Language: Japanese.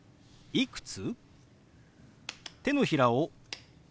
「いくつ？」。